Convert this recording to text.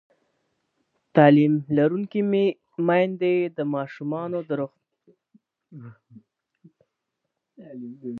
تعلیم لرونکې میندې د ماشومانو د روغتیا په اړه پوښتنې کوي.